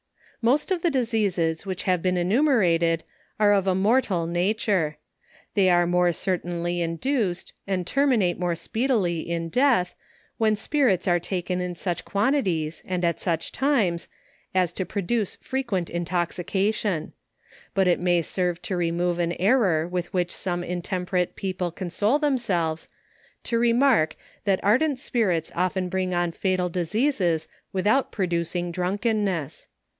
Most of the diseases which have been enumerated arc of a mortal nature. They are more certainly induced, and terminate more speedily in death, when spirits arc taken in such quantities, and at such tunes as to produce frequent intoxication: but it may serve to remove an er ror with which some intemperate people console them selves, to remark, that ardent spirits often bring on fatal diseases without producing drunkenness.